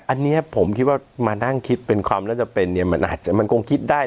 อันนี้ผมคิดว่ามานั่งคิดเป็นความแล้วจะเป็นเนี่ยมันอาจจะมันคงคิดได้